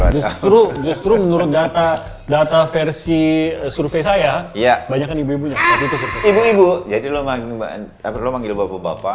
justru justru menurut data data versi survei saya ya banyak kan ibu ibu jadi long lo manggil bapak bapak